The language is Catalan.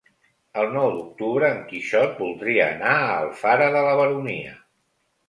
El nou d'octubre en Quixot voldria anar a Alfara de la Baronia.